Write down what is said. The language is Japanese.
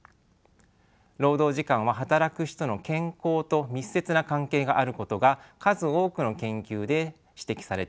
労働時間は働く人の健康と密接な関係があることが数多くの研究で指摘されています。